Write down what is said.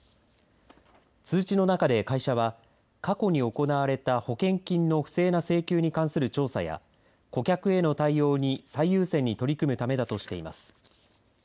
通知の中で会社は過去に行われた保険金の不正な請求に関する調査や顧客への対応に最優先に取り組むためだとしています。